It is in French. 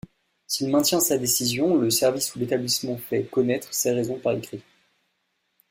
S'il maintient sa décision, le service ou l'établissement fait connaître ses raisons par écrit.